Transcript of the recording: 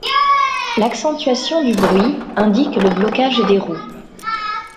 L'accentuation du bruit indique le blocage des roues.